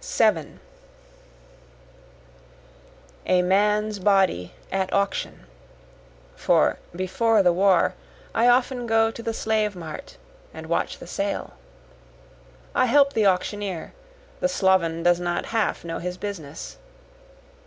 7 A man's body at auction, (For before the war I often go to the slave mart and watch the sale,) I help the auctioneer, the sloven does not half know his business.